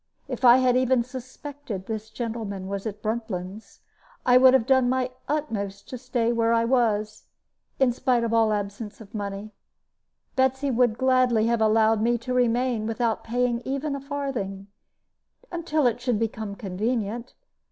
If I had even suspected that this gentleman was at Bruntlands, I would have done my utmost to stay where I was, in spite of all absence of money. Betsy would gladly have allowed me to remain, without paying even a farthing, until it should become convenient.